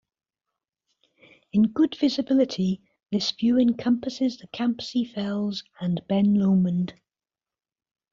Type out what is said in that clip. In good visibility this view encompasses the Campsie Fells and Ben Lomond.